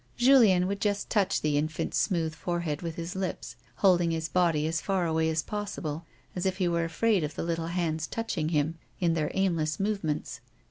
Julien would just touch the infant's smooth forehead with his lips, holding his body as far away as possible, as if he were afraid of the little hands touching him in their aimless movements.